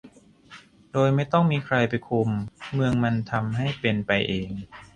โดยไม่ต้องมีใครไปคุม เมืองมันทำให้เป็นไปเอง